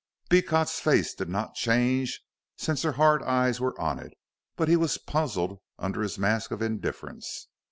Beecot's face did not change, since her hard eyes were on it. But he was puzzled under his mask of indifference.